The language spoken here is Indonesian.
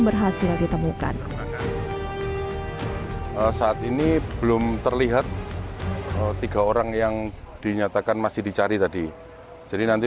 berhasil ditemukan saat ini belum terlihat tiga orang yang dinyatakan masih dicari tadi jadi nanti